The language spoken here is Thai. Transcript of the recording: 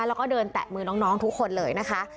แล้วก็เดินแตะมือน้องทุกคนเลยนะคะ